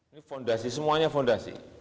ini fondasi semuanya fondasi